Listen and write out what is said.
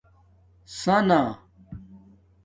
ثنݳ